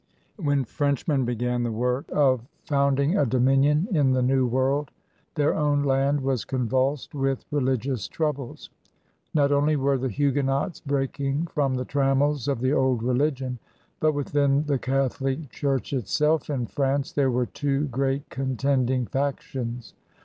When Frenchmen b^an the work of founding a dominion in the New World, their own land was convulsed with religious troubles. Not only were the Huguenots breaking from the trammels of the old religion, but within the Catholic Church itself in France there were two great contending factions.